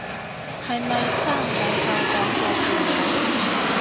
係咪生仔救港嘅朋友